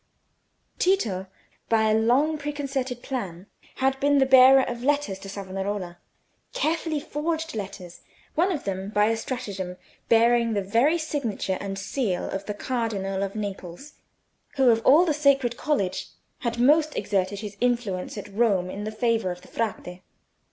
Tito, by a long preconcerted plan, had been the bearer of letters to Savonarola—carefully forged letters; one of them, by a stratagem, bearing the very signature and seal of the Cardinal of Naples, who of all the Sacred College had most exerted his influence at Rome in favour of the Frate.